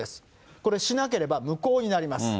これ、しなければ無効になります。